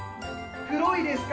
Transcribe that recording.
黒いですか？